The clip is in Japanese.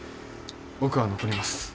僕は残ります